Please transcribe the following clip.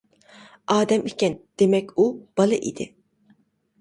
ئادەم ئىكەن، دېمەك ئۇ، بالا ئىدى.